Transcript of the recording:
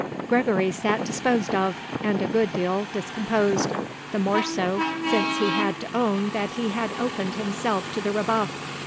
Gregory sat disposed of and a good deal discomposed, the more so since he had to own that he had opened himself to the rebuff.